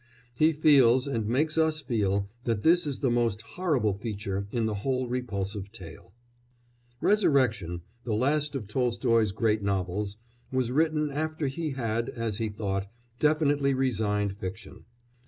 He feels, and makes us feel, that this is the most horrible feature in the whole repulsive tale. Resurrection, the last of Tolstoy's great novels, was written after he had, as he thought, definitely resigned fiction.